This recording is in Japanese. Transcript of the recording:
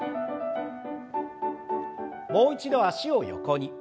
もう一度脚を横に。